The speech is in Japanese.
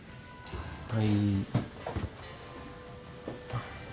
はい。